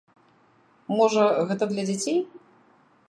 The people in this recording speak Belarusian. Можа, гэта для дзяцей?